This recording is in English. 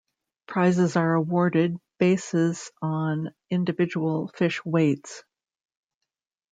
Prizes are awarded bases on individual fish weights.